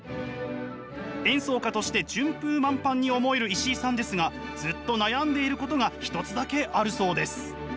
演奏家として順風満帆に思える石井さんですがずっと悩んでいることが一つだけあるそうです。